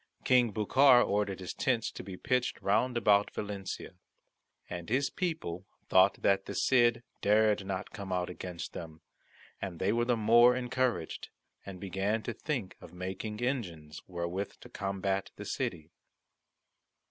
King Bucar ordered his tents to be pitched round about Valencia. And his people thought that the Cid dared not come out against them, and they were the more encouraged, and began to think of making engines wherewith to combat the city.